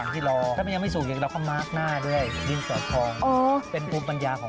ที่เราเอามาทำ